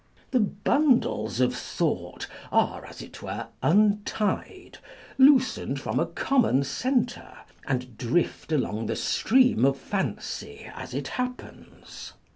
The bundles of thought are, as it were, untied, loosened from a common centre, and drift along the stream of fancy as it happens.